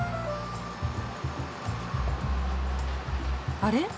あれ？